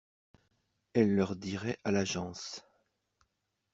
Elle leur dirait à l’agence